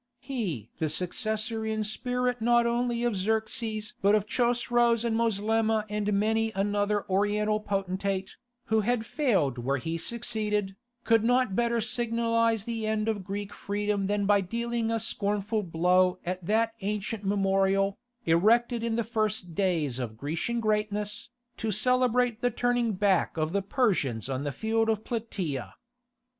He, the successor in spirit not only of Xerxes but of Chosroës and Moslemah and many another Oriental potentate, who had failed where he succeeded, could not better signalize the end of Greek freedom than by dealing a scornful blow at that ancient memorial, erected in the first days of Grecian greatness, to celebrate the turning back of the Persians on the field of Plataea.